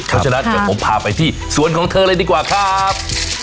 เพราะฉะนั้นเดี๋ยวผมพาไปที่สวนของเธอเลยดีกว่าครับ